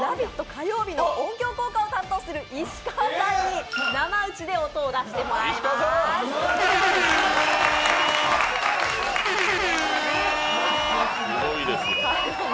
火曜日の音響効果を担当する石川さんに生打ちで音を出していただきます。